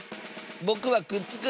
ぼくはくっつく！